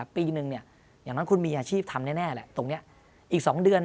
ปีหนึ่งอย่างนั้นคุณมีอาชีพทำแน่แหละตรงนี้อีก๒เดือน